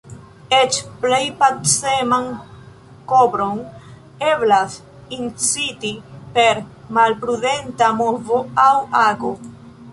Eĉ plej paceman kobron eblas inciti per malprudenta movo aŭ ago.